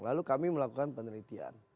lalu kami melakukan penelitian